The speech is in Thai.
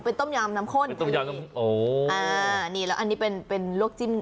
เป็นต้มยำน้ำข้นต้มยำน้ำอ๋ออ่านี่แล้วอันนี้เป็นเป็นลวกจิ้ม